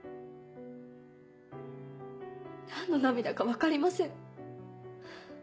何の涙か分かりません。